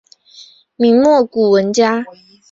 明末古文家。